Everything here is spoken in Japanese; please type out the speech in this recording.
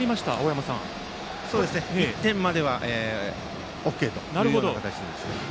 １点まではＯＫという形ですね。